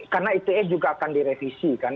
karena ite juga akan direvisi kan